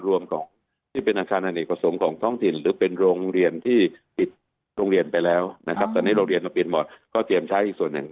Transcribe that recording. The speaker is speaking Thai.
โรงเรียนไปแล้วตอนนี้โรงเรียนมันเปลี่ยนหมดก็เตรียมใช้อีกส่วนหนึ่ง